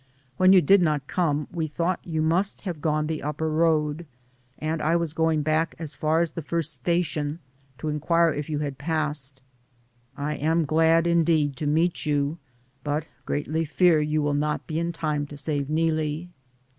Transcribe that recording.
When you did not come, we thought you must have gone the upper road, and I was going back as far as the first station to in quire if you had passed. I am glad, indeed, to meet you, but greatly fear you will not be in time to save Neelie."